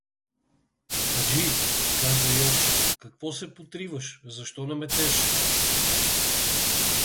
— Хаджи — каза Йовчо, — какво се потриваш, защо не метеш?